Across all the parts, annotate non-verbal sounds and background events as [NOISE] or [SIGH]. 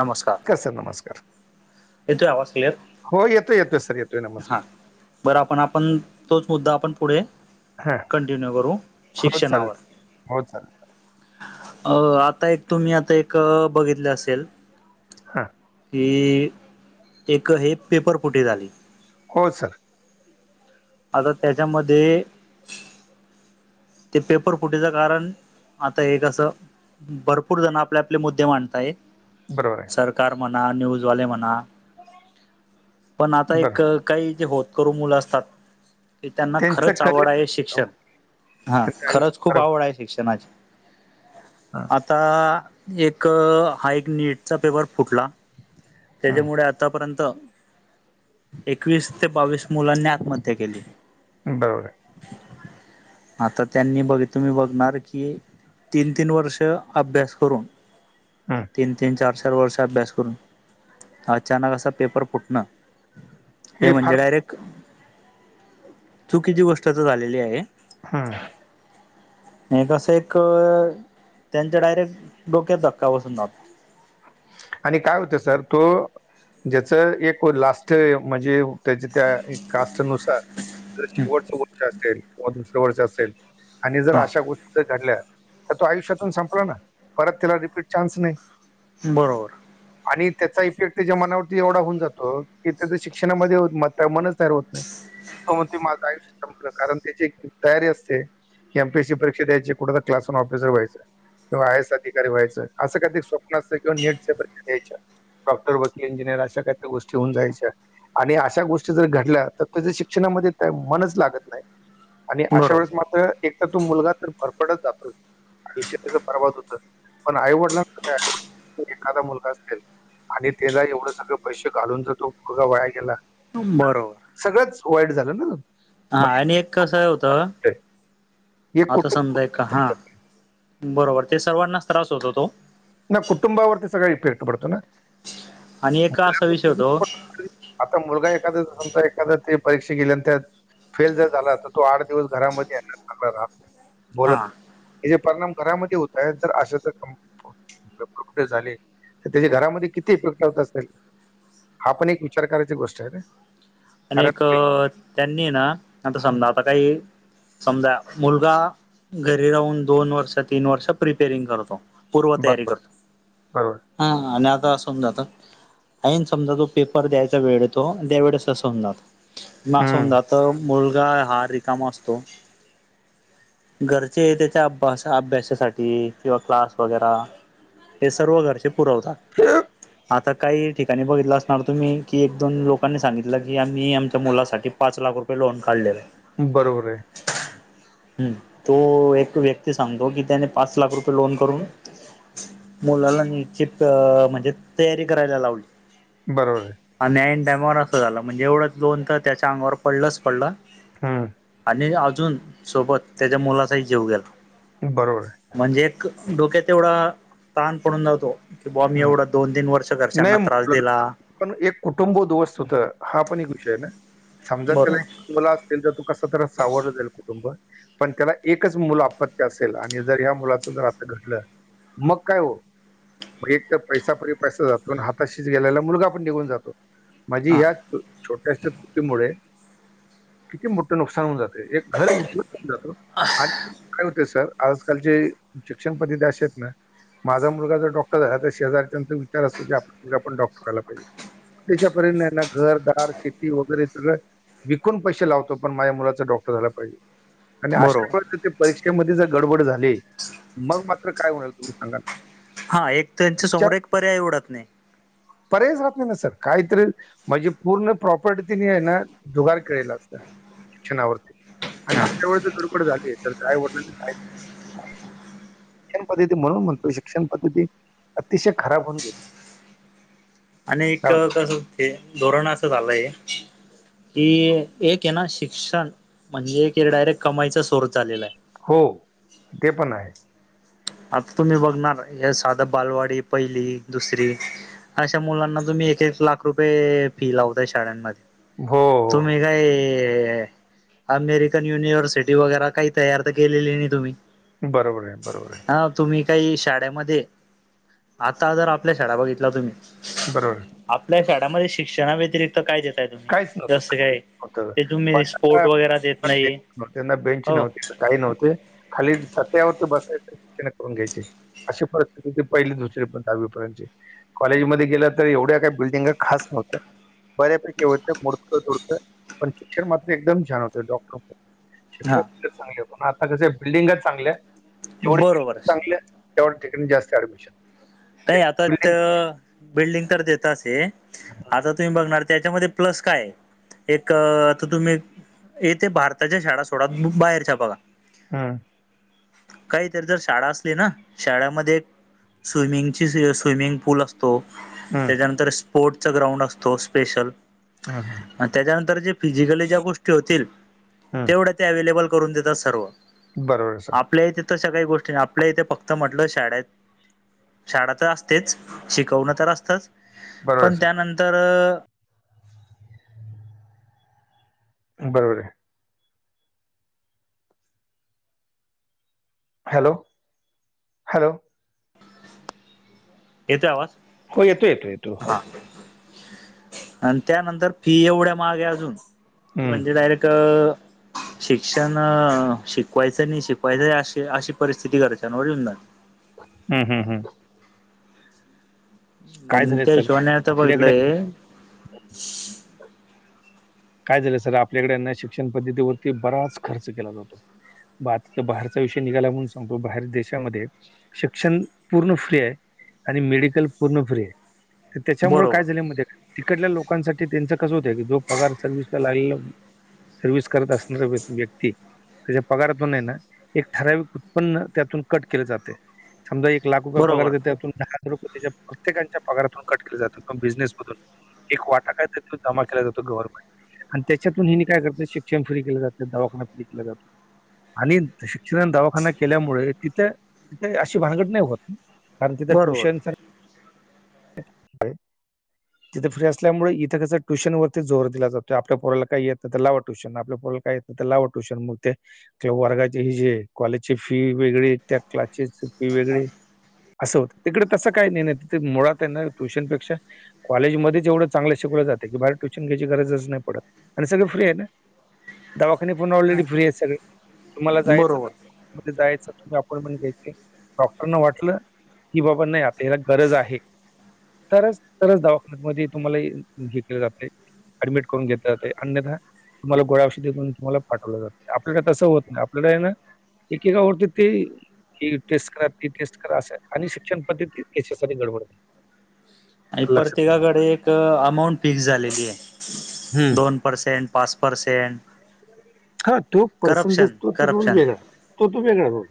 नमस्कार. का सर नमस्कार येतोय आवाज क्लिअर? हो येतोय येतोय सर येतोय नमस्कार. हा बरं आपण आपण तोच मुद्दा आपण पुढे हां कंटिन्यू करू हो चालेल शिक्षणावर. हो चालेल अ आता एक तुम्ही आता एक बघितलं असेल? हां. की एक हे पेपर फुटी झाली. हो सर. आता त्याच्यामध्ये ते पेपर फुटेचं कारण आता एक असं भरपूर जण आपले आपले मुद्दे मांडताय बरोबर आहे. सरकार म्हणा, न्यूजवाले म्हणा पण आता एक बरं काही जे होतकरू मुलं असतात हे त्यांना त्यांचं खरंच आवड आहे करिअर शिक्षण हा त्यांचं आयुष्य खरंच खूप आवड आहे शिक्षणाची हा. आता एक हा एक नीटचा पेपर फुटला. हं, त्याच्यामुळे आतापर्यंत एकवीस ते बावीस मुलांनी आत्महत्या केलीय. बरोबरे आता त्यांनी बघित, तुम्ही बघणार की तीन तीन वर्ष अभ्यास करून हं. तीन तीन चार चा र वर्ष अभ्यास करून, अचानक असा पेपर फुटणं. हे म्हणजे डायरेक्ट. चुकीचे गोष्ट त झालेली आहे. हं. [INAUDIBLE] हे कसं एक, त्यांच्या डायरेक्ट डोक्यात धक्का बसून जातो. आणि काय होतं सर, तो ज्याच एक लास्ट म्हणजे त्याच्या त्या कास्टनुसार. जर शेवटच वर्ष असेल. किंवा दुसर्या वर्ष असेल. आणि जर हा अशा गोष्टी जर घडल्या. तर तो आयुष्यातून संपला ना. परत त्यािला रिपीट चान्स नाही. बरोबर. आणि त्याचा इफेक्ट त्याच्या मनावरती एवढा होऊन जातो. की त्याच शिक्षणामध्ये मता मनच होत नाही. मग त [UNINTELLIGIBLE] माझं आयुष्या कारण त्याची एक तयारी असते. की एम पी ए सी परीक्षा द्यायची कुठेतरी क्लास वन ऑफिसर व्हायचं. किंवा आय एस अधिकारी व्हायचं. असं काहीतरी स्वप्न असेल. किंवा नेटच्या परी द्यायच्या. डॉक्टर, वकील, इंजिनियर अशा काहीतरी गोष्टी होऊन जायच्या. आणि अशा गोष्टी जर घडल्या. त त्याच शिक्षणामध्ये मनच लागत नाही. आणि अशा वेळेस बरोबर मात्र. एक तर तो मुलगा तर भरपडत जातो. आयुष्य त्याचा बरबाद होत. पण आईवडलांच काय? आई-वडील एखादा मुलगा असेल. आणि त्याला एवढं सगळं पैसे घालून जर तो मुलगा वया गेला? बरोबर. सगळंच वाईट झालं ना. हा आणि एक कस होतं. म्हणजे एक आता कुटुंब समजा का हा. बरोबर ते सर्वांनाच त्रास होतो तो. ना कुटुंबावरती सगळे इफेक्ट पडताना. [INAUDIBLE] आणि एक असा विषय होतो आता मुलगा एखादा समजा, एखाद्या ते परीक्षा गेल्यान त्यात फेल जर झाला. तर तो आठ दिवस घरामध्ये आणणार चांगला राहत नाही. बोला हा की. त्याचे परिणाम घरामध्ये होताय. तर अशा जर कम [UNINTELLIGIBLE] झाले. तर त्याच्या घरामध्ये किती इफेक्ट होत असेल. हा पण एक विचार करायची गोष्टय ना. आणि कारण एक त्यांनीय ना. आता समजा आता काही समजा मुलगा घरी राहून दोन वर्ष तीन वर्ष प्रिपेरिंग करतो. पूर्व तयारी बरोबर करतो. बरोबर. हा आणि आता समजा आता ऐईन समजा तो पेपर द्यायचा वेळे येतो. त्यावेेळेस अस ऊन जात. म असं होऊन हम्म. जातं. मुलगा हा रिकामा असतो. घरचे त्याच्या अभ अभ्यासासाठी किंवा क्लास वगैरा हे सर्व घरचे पुरवतात. आता काही ठिकाणी बघितलं असणार तुम्ही की, एक दोन लोकांनी सांगित म्हलं की आम्ही आमच्या मुलासाठी पाच लाख रुपये लोन काढलेलय. बरोबरे. [INAUDIBLE] हम्म, तो एक व्यक्ती सांगतो की, त्याने पाच लाख रुपये लोन करून मुलाला निश्चित अ म्हणजे तयारी करायला लावली बरोबर आहे आणि आयन टायमावर असं झालं म्हणजे एवढंच दोन तर त्याच्या अंगावर पडलंच पडलं हा आणि अजून सोबत त्याच्या मुलाचाही जीव गेला बरोबर आहे म्हणजे एक डोक्यात एवढा ताण पडून राहतो कि बाबा मी हं. एवढा दोन तीन वर्ष घरच्यांना नाही त्रास मुलं दिला पण एक कुटुंब उध्वस्त होतं हा पण एक विषय ना समजा त्याला बरोबर एक मुला असतील तर तू कस तर सावरल जाईल कुटुंब पण त्याला एकच मुलं आपत्य असेल आणि जर या मुलाच जर आता घडलं मग काय हो मग एक तर पैसापरी पैसा जातो आणि हाताशीच गेलाला मुलगा पण निघून जातो माझी हा ह्या छोट्याश्या चुकीमुळे किती मोठे नुकसान होऊन जातं एक घर उठून जात हो आणि काय होतय सर- आजकालची शिक्षण पद्धती अशे आहेत ना माझा मुलगा जर डॉक डॉक्टर झाला तर आता शेजारच्याचा विचारतो की आपला पण डॉक्टर झाला पाहिजे त्याच्यापर्यंत ना घर दार शेती वगैरे सगळं विकून पैसे लावतो पण माझ्या मुलाचा डॉक्टर झाला पाहिजे आणि अशा बरोबर वेळेस जर ते परीक्षेमध्ये जर गडबड झाली मग मात्र काय होणार तुम्ही सांगा ना हा एक त्यांच्या विचार समोर एक पर्याय उडत नाही पर्यायच राहत नाही ना सर काहीतरी म्हणजे पूर्ण प्रॉपर्टी तेनी आहे ना जुगार केलेला असत शिक्षणावरती आणि हा अशा वेळेस जर गडबड झाली तर त्या आई वडिलांनी शिक्षण पद्धती म्हणून म्हणतो शिक्षण पद्धती अतिशय खराब होऊन गेली आणि एक कारण कस धोरण असं झालंय कि एक आहे ना शिक्षण म्हणजे एक डायरेक्ट कमाईचा सोर्स चालेला आहे हो ते पण आहे आता तुम्ही बघणार हे साधा बालवाडी पहिली दुसरी अशा मुलांना तुम्ही एक एक लाख रुपये फी लावताय शाळांमध्ये हो.. तुम्ही हो काय अमेरिकन युनिव्हर्सिटी वगैरे काही तयार तर गेलेली नाही तुम्ही बरोबर आहे बरोबर आहे.. ह तुम्ही काही शाळेमध्ये आता जर आपल्या शाळा बघितला तुम्ही बरोबर आपल्या शाळेमध्ये शिक्षणाव्यतिरिक्त तर काय देताय तुम्ही काहीच नव्हतं जसं खाली काय नव्हतं ते तुम्ही बस आता स्पोर्ट वगैरे काय देत नाही नव्हते ना बेंच हो नव्हते ना काही नव्हते खाली चटयावरती बसायच करून घ्यायचे अशी परिस्थिती होती पहिले दुसरी पासून दहावीपर्यंतचे कॉलेजमध्ये गेलं तर एवढ्या काही बिल्डिंग खास नव्हत्या बऱ्यापेकी होत मोडक तोडक शिक्षण मात्र एकदम छान होतं डॉक्टर शिक्षण हा चांगले आहेत आता कस बिल्डिंगच चांगल्या जेवढे बरोबर बिल्डिंग चांगले तेवढ्या ठिकाणी जास्त ऍडमिशन नाही एक आता बिल्डिंग तर बिल्डिंग कर देत अस आता तुम्ही बघणार त्याच्यामध्ये प्लस काय आहे? एक आता तुम्ही येथे भारताच्या शाळा सोडा तुम्ही बाहेरच्या बघा हम्. काहीतरी जर शाळा असली ना शाळेमध्ये स्विमिंग. [UNINTELLIGIBLE] स्विमिंग पूल असतो हम्म, त्याच्यानंतर स्पोर्टचा ग्राउंड असतो स्पेशल. हा हां. आणि त्याच्यानंतर जे फिजिकली ज्या गोष्टी होतील हम्म. तेवढ्या ते अवे्लेबल करून देतात सर्व. बरोबर सर. आपल्या इथे तशा काही गोष्टी नाही आपल्या इथे फक्त म्हटलं शाळेत. शाळा तर असतेच शिकवणं तर असतच बरोबर आहे पण त्यानंतर. बरोबर आहे. Hello hello. येतोय आवाज? हो येतो येतो येतो. हा [UNINTELLIGIBLE] आणि त्यानंतर फी एवढ्या महाग्या अजून की हम्म, म्हणजे डायरेक्ट शिक्षण शिकवायचं नाही शिकवायचं अ अशी परिस्थिती घरच्यांवर येऊन जाते. हम् हम् हम्म. काय मग झालंय त्या सर हिशोबाने आता आपल्याकडे बघितलंय. काय झालं सर आपल्याकडेना शिक्षण पद्धतीवरती बराच खर्च केला जातो. बात बाहेरचा विषय निघाला म्हणून सांगतो बाहेर देशामध्ये शिक्षण पूर्ण फ्री आहे आणि मेडिकल पूर्ण फ्री आहे. त्याच्यामुळे काय बरोबर झाले माहितीये का तिकडल्या लोकांसाठी त्यांच कसं होतं की जो पगार सर्व्हिसला लागलेला सर्व्हिस करत असणारा व्यक्ती. त्याच्या पगारातून आहे ना एक ठराविक उत्पन्न त्यातून कट केल जातंय. समजा एक लाख रुपये पगार बरोबर देता त्यातून [UNINTELLIGIBLE] त्याच्या प्रत्येकांच्या पगारातून कट केले जात कम बिझनेसमधून. एक वाटा काय त्यातन जमा केला जातो गव्हर्मेट. आणि त्याच्यातून हेनी काय करते शिक्षण फ्री केलं जात दवाखाना फ्री केला जातो आणि [UNINTELLIGIBLE] केल्यामुळे तिथ तिथं अशी भानगड नाही होत कारण तिथ् बरोबर ट्युशन. [INAUDIBLE] तिथ फ्री असल्यामुळे इथं कसं ट्यूशनवरती जोर दिला जातो आपल्या पोराला काय येत तर लावा ट्यूशन आपल्या पोराला काय तर लावा ट्यूशन मग ते किंवा वर्गाचे हि जे कॉलेजची फी वेगळी त्या क्लासेसची फी वेगळी. असं होतं तिकडे तसं काय नाही नाही तिथ मुळात आहे ना ट्युशनपेक्षा कॉलेजमध्येच एवढं चांगलं शिकवलं जाते की बाहेर ट्युशन घ्यायची गरजच नाही पडत आणि सगळे फ्री आहे ना. दवाखाने पून्हा ऑलरेडी फ्री आहेत सगळे तुम्हाला जायचं. बरोबर जायच तुम्ही अपॉइंटमेंट घ्यायचे डॉक्टरना वाटलं की बाबा नाही आता याला गरज आहे. तरच तरच दवाखान्यामध्ये तुम्हाला घेतल जातंय ऍडमिट करून घेतलं जाते अन्यथा तुम्हाला गोळा औषधी देऊन तुम्हाला पाठवलं जाते आपल्याला तसं होत नाही आपल्याला ये ना. एकेकवरती ते ही टेस्ट करा ती टेस्ट करा अस आणि शिक्षण पद्धती [UNINTELLIGIBLE] गडबड आणि लक्षात ठेवा. प्रत्येकाकडे एक अमाऊंट फिक्स झालेली हं. आहे दोन. परसेंट पाच परसेंट. हा तो पर्सटेज तो तो रोल करप्शन वेगळा तो तो वेगळा रोल.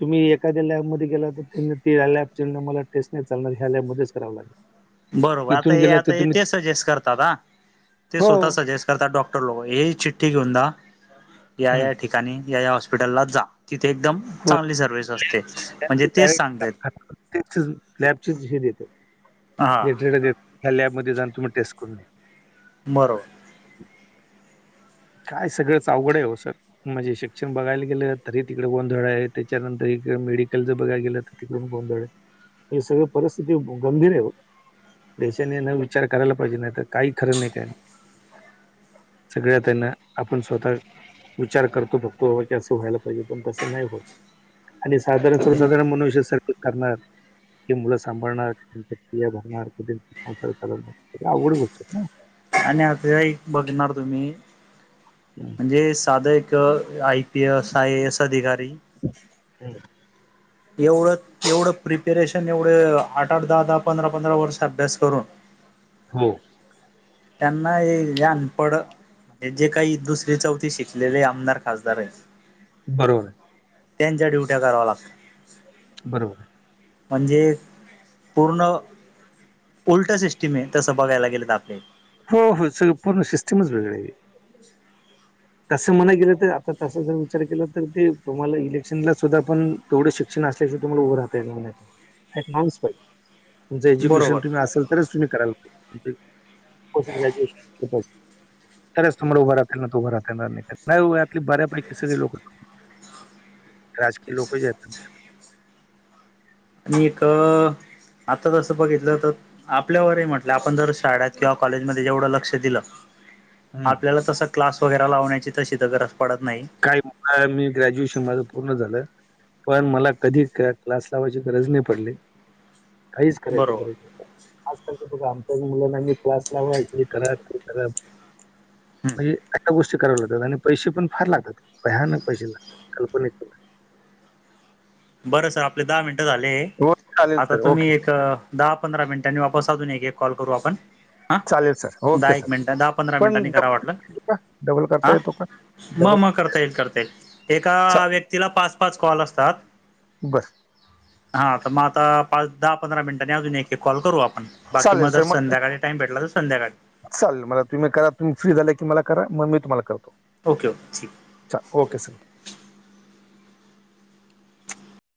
तुम्ही एखा्या लॅबमध्ये गेला तर त्यां लॅबच्यान मला टेस्ट नाही चालणार ह्या लॅबमध्येच करावं लागेल. बरोबर आता इथून गेला तर आता तुम्ही ते सजेस्ट करतात हा ते हो, स्वतः सजेस्ट करता डॉक्टर लोकं हे चिठ्ठी घेऊन जा या हं. या ठीक. ठिकाणी या या हॉस्पिटलला जा तिथे एकदम हो. चांगली सर्व्हिस असते म्हणजे तेच सांगतेत. लॅबचे हे देते [UNINTELLIGIBLE] हा देत त्या लॅबमध्ये जा अन तुम्ही टेस्ट करून घ्या. बरोबर. काय सगळंच अवघड आहे हो सर. म्हणजे शिक्षण बघायला गेलं तरी तिकडे गोंधळ आहे त्याच्यानंतर इकडे मेडिकलच बघायला गेलं तिकडून गोंधळ हे सगळी परिस्थिती गंभीर आहे हो. देशाने न विचार करायला पाहिजे नाही तर काही खरं नाही काय सगळ्यात. त्यांना आपण स्वतः विचार करतो फक्तो बाबा की असं व्हायला पाहिजे पण तसं नाही होत. आणि साधारण सर्वसाधारण मनुष्य स [INAUDIBLE] करणार. कि मुलं सांभाळणार त्यां [INAUDIBLE] प्र्रिया बघणार क आवघड गोष्ट आहेत ना. आणि आता एक बघणार तुम्ही. म्हणजे साधं एक I P S I S अधिकारी [UNINTELLIGIBLE] एवढ, एवढ प्रिपेरेशन एवढे आठ, आठ, दहा, दहा, पंधरा, पंधरा वर्ष अभ्यास करून. हो. त्यांना हे जे अनपड हे जे काही दुसरी, चौथी शिकलेले आमदार, खासदार आहे. बरोबर आहे. त्यांच्या डुट्या कराव लागत. बरोबर आहे. म्हणजे पूर्ण उल्ट सिस्टीम आहे तसं बघायला गेल तर आपले हो हो सगळ पूर्ण सिस्टमच वेगळ आहे. तसं म्हणा गेल तर आता तस जर विचार केला तर ते तुम्हाला इलेक्शनला सुद्धा पण तेवढ शिक्षण असल्याशिय तुम्हाला उभं राहता येणार नाही [INAUDIBLE] पाहि. तुमचं एज्युकेशन बरोबर तुम्ही असाल तरच तुम्ही करायला पाहिजेे, ग्रॅज्युएशन केलं पाहिजे. तरच तुमला उभा राहता नाही तर उभा रा राहता येणार नाही हो यातली बऱ्यापैकी सगळे लोक राजकीय लोक जे आहेतं. आणि एक आता जसं बघितलं तर आपल्यावर हे म्हटलं आपण जर शाळत किंवा कॉलेजमध्ये जेवढं लक्ष दिल. हं. आपल्याला तस क्लास वगैरे लावण्याची तशी तर गरज पडत नाही. काही मी ग्रॅज्युएशन माझं पूर्ण झालं. पण मला कधी क्लास लावायची गरज नाही पडली काहीच करायचु बरोबर गरज नाही पडली. आजकाल च्या [INAUDIBLE] आमच्या मुलां आम्ही क्लास लावा, हे करा ते करा. हम्म म्हणजे आता गोष्टी कराव्या लागतात आणि पैसे पण फार लागतात भयानक पैसे लागतात. कल्पना क. [INAUDIBLE] बरं सर आपले दहा मिनटं झाले बाहेर. हो चालेल आता सर. तुम्ही ओके. एक दहा, पंधरा मिनिटांनी वापस अजून एक, एक कॉल करू आपण. हा चालेल सर. दहा, ओके सर. एक मिनिट दहा, पंधरा पण मिनिटांनी करा वाटलं डबल का? डबल करता हा. येतो का? मग, डबल मग करता येईल, करता येईल चा एका व्यक्तीला पाच पाच कॉल असतात. बस. हा तर मग आता पाच, दहा, पंधरा मिनिटांनी अजून एक, एक कॉल करू आपण बाकी चालेल मग जर सर. संध्याकाळी. टाम भेटला तर संध्याकाळी. चालेल मला तुम्ही करा तुम्ही फ्री झालं की मला करा मग मी तुम्हाला करतो. ओके ओे ठीक. अच्छा ओके सर.